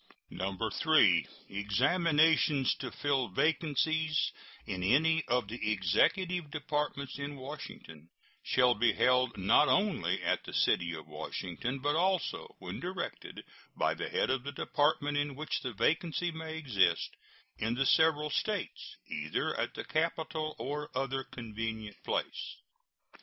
3. Examinations to fill vacancies in any of the Executive Departments in Washington shall be held not only at the city of Washington, but also, when directed by the head of the Department in which the vacancy may exist, in the several States, either at the capital or other convenient place.